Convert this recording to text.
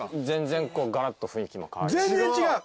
全然違う。